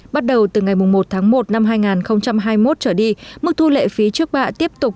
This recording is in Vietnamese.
bắt đầu từ ngày một tháng một năm hai nghìn hai mươi một trở đi mức thu lệ phí trước bạ tiếp tục